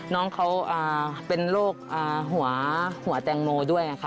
น้องเขาเป็นโรคหัวแตงโมด้วยค่ะ